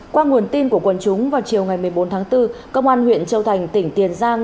qua nguồn tin của quân chúng vào chiều ngày một mươi bốn tháng bốn công an huyện châu thành tỉnh tiền giang